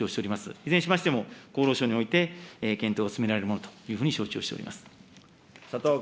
いずれにしましても、厚労省において検討が進められるものと承知をしております。